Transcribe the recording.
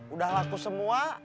udah laku semua